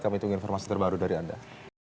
kami tunggu informasi terbaru dari anda